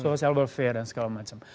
sosial jalan dan segala macam